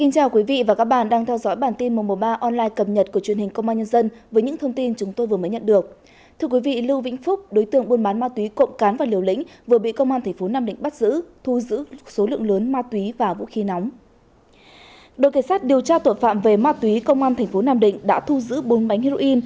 các bạn hãy đăng ký kênh để ủng hộ kênh của chúng mình nhé